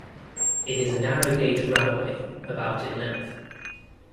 It is a narrow gauge railway about in length.